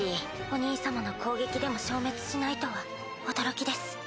お兄様の攻撃でも消滅しないとは驚きです。